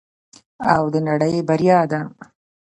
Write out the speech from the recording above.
او د نړۍ بریا ده.